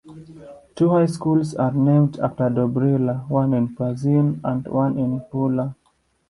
Two high schools are named after Dobrila, one in Pazin and one in Pula.